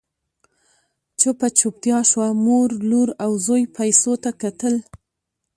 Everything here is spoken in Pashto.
چوپه چوپتيا شوه، مور، لور او زوی پيسو ته کتل…